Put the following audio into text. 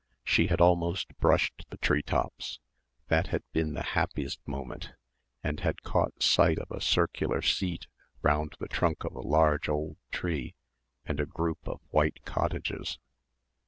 She had almost brushed the tree tops, that had been the happiest moment, and had caught sight of a circular seat round the trunk of a large old tree and a group of white cottages.